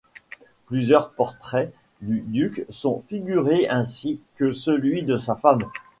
Plusieurs portraits du duc sont figurés ainsi que celui de sa femme.